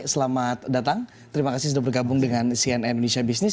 selamat datang terima kasih sudah bergabung dengan cnn indonesia business